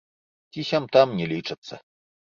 Ці сям-там не лічацца.